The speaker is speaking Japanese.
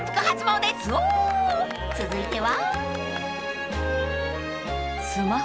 ［続いては］